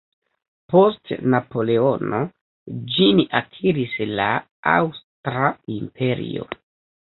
Post Napoleono, ĝin akiris la Aŭstra imperio.